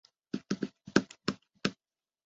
就开始等放假啦